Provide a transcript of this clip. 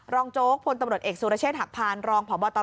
รองโจ๊กพตเอกสุรเชษฐพารรองผบต